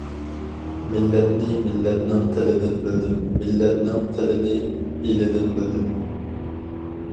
مىللەتنى مىللەتنىڭ تىلىدىن بىلدىم، مىللەتنىڭ تىلىنى ئېلىدىن بىلدىم.